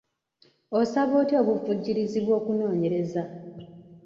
Osaba otya obuvujjirizi bw'okunoonyereza?